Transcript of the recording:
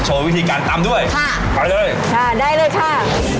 วิธีการตำด้วยค่ะไปเลยค่ะได้เลยค่ะ